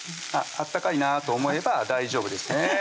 温かいなと思えば大丈夫ですね